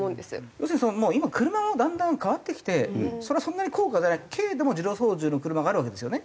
要するにもう今車もだんだん変わってきてそんなに高価じゃない軽でも自動操縦の車があるわけですよね。